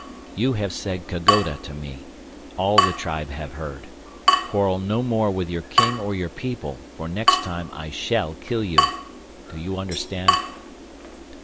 "You have said: 'Ka goda' to me. All the tribe have heard. Quarrel no more with your king or your people, for next time I shall kill you. Do you understand?"